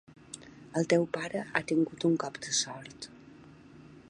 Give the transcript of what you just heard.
El teu pare ha tingut un cop de sort.